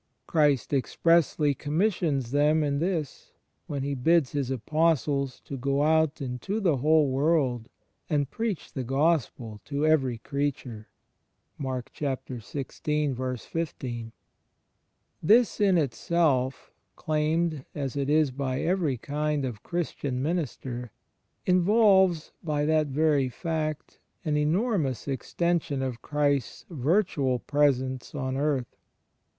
Christ expressly commissions them in this, when He bids His Apostles to go out "into the whole world and preach the gospel to every creature." ^ This in itself — claimed as it is by every kind of "Christian minister" — involves, by that very fact, an enormous extension of Christ's virtual Presence on earth.